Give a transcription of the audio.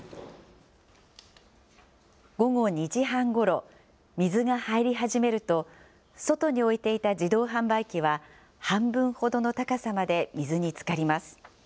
午後２時半ごろ、水が入り始めると、外に置いていた自動販売機は、半分ほどの高さまで水につかります。